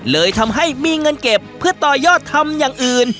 เลยทำให้มีเงินเก็บเพื่อต่อยอดทำอย่างอื่น